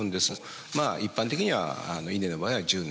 一般的には稲の場合は１０年。